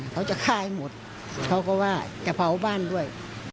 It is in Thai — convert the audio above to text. เขาจะฆ่าให้หมดเขาก็ว่าจะเผาบ้านด้วย